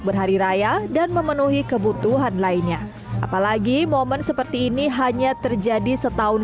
berhari raya dan memenuhi kebutuhan lainnya apalagi momen seperti ini hanya terjadi setahun